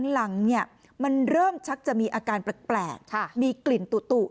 หลังมันเริ่มชักจะมีอาการแปลกมีกลิ่นตุ